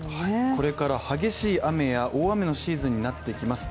これから激しい雨や大雨のシーズンになってきます